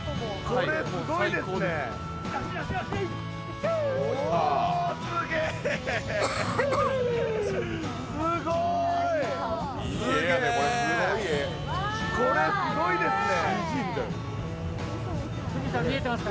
これ、すごいですね。